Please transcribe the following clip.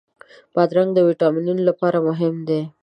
بادرنګ د ویټامینونو لپاره مهم دی.